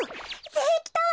できたわ！